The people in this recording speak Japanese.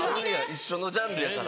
一緒のジャンルやから。